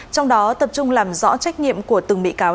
trong đó tập trung làm rõ trách nhiệm của từng bị cáo